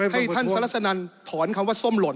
ให้ท่านสรัสนันถอนคำว่าส้มหล่น